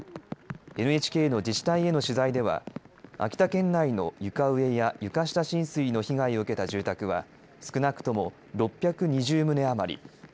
ＮＨＫの自治体への取材では秋田県内の床上や床下浸水の被害を受けた住宅は少なくとも６２０棟余り。